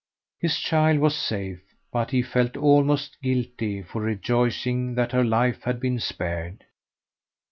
His child was safe, but he felt almost guilty for rejoicing that her life had been spared.